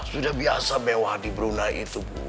sudah biasa mewah di brunei itu bu